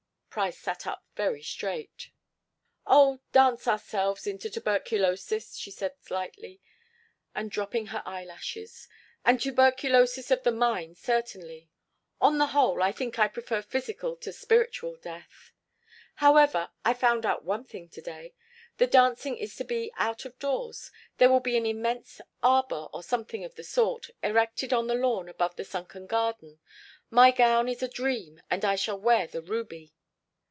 Price sat up very straight. "Oh, dance ourselves into tuberculosis," she said lightly, and dropping her eyelashes. "And tuberculosis of the mind, certainly. On the whole, I think I prefer physical to spiritual death.... "However I found out one thing to day. The dancing is to be out of doors. There will be an immense arbor or something of the sort erected on the lawn above the sunken garden. My gown is a dream and I shall wear the ruby."